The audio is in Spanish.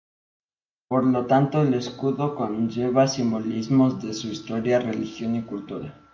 Por lo tanto, el escudo conlleva simbolismos de su historia, religión y cultura.